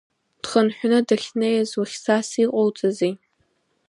Дхынҳәны дахьнеиз уахьцаз иҟауҵази?